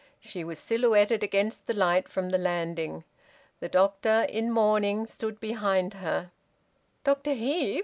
She was silhouetted against the light from the landing. The doctor, in mourning, stood behind her. "Dr Heve?